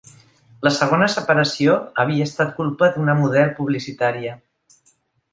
La segona separació havia estat culpa d'una model publicitària.